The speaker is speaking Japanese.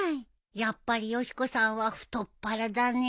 やっぱりよし子さんは太っ腹だねえ。